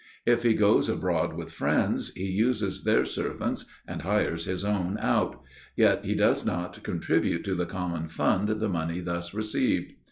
If he goes abroad with friends, he uses their servants and hires his own out; yet he does not contribute to the common fund the money thus received.